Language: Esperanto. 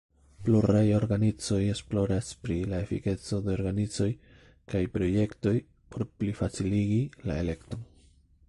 Pluraj organizoj esploras pri la efikeco de organizoj kaj projektoj por plifaciligi la elekton.